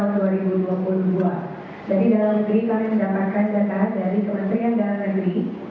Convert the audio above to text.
jadi dalam negeri kami mendapatkan data dari kementerian dalam negeri